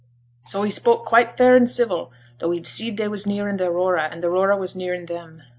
So he spoke quite fair and civil, though he see'd they was nearing t' Aurora, and t' Aurora was nearing them.